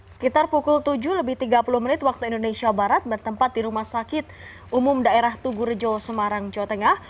sekitar pukul tujuh lebih tiga puluh menit waktu indonesia barat bertempat di rumah sakit umum daerah tugurejo semarang jawa tengah